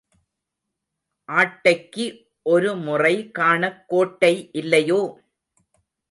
ஆட்டைக்கு ஒரு முறை காணக் கோட்டை இல்லையோ?